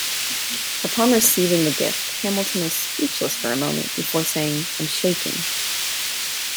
Upon receiving the gift, Hamilton was speechless for a moment, before saying I'm shaking.